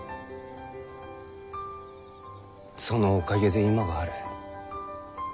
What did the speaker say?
そのおかげで今がある。